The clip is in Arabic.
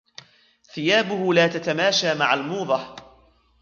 ثيابه لا تتماشى مع الموضة.